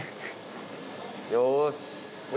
よし！